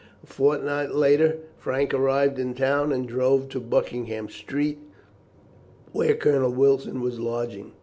A fortnight later Frank arrived in town and drove to Buckingham Street, where Colonel Wilson was lodging.